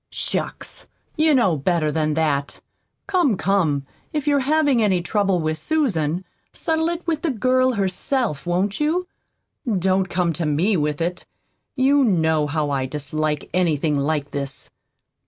"Shucks! You know better than that! Come, come, if you're having any trouble with Susan, settle it with the girl herself, won't you? Don't come to me with it. You KNOW how I dislike anything like this."